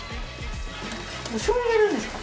おしょうゆ入れるんですか？